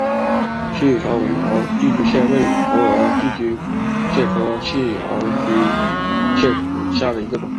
条纹细螯寄居蟹为活额寄居蟹科细螯寄居蟹属下的一个种。